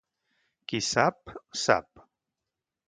Qui sap, sap.